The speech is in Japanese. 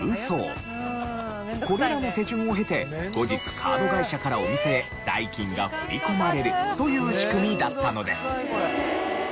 これらの手順を経て後日カード会社からお店へ代金が振り込まれるという仕組みだったのです。